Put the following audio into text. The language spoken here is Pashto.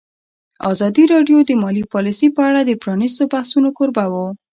ازادي راډیو د مالي پالیسي په اړه د پرانیستو بحثونو کوربه وه.